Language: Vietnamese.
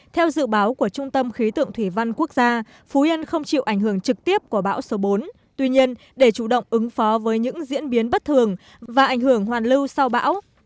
theo dự báo của trung tâm khí tượng thủy văn quốc gia phú yên không chịu ảnh hưởng trực tiếp của bão số bốn tuy nhiên để chủ động ứng phó với những diễn biến bất thường và ảnh hưởng hoàn lưu sau bão